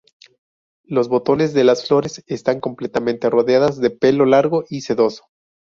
Los botones de las flores están completamente rodeadas de pelo largo y sedoso.